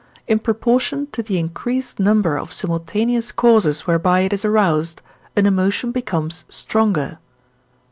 in proportion to the increased number of simultaneous causes whereby it is aroused, an emotion becomes stronger.